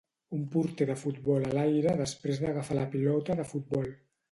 Un porter de futbol a l'aire després d'agafar la pilota de futbol.